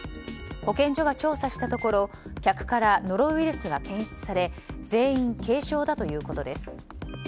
保健所が調査したところ客からノロウイルスが検出され全員軽症だということです。